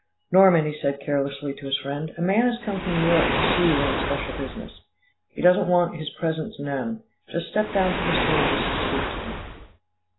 "Norman," he said carelessly to his friend, "a man has come from New York to see you on special business. He doesn't want his presence known. Just step down to the syringas, and speak to him."